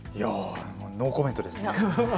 ノーコメントですね。